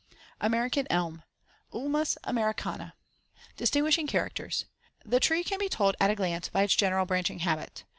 AMERICAN ELM (Ulmus americana) Distinguishing characters: The tree can be told at a glance by its general branching habit.